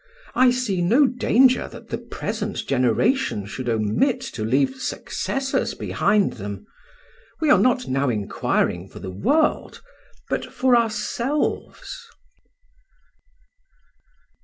I see no danger that the present generation should omit to leave successors behind them; we are not now inquiring for the world, but for ourselves."